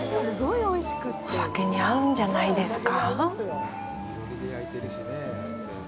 お酒に合うんじゃないてすか？